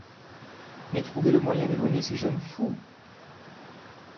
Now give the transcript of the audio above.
Mais trouvez le moyen d’éloigner ces jeunes fous…